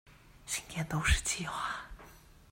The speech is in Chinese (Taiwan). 新店都市計畫